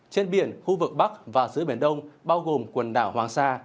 trên biển khu vực bắc và giữa biển đông bao gồm quần đảo hoàng sa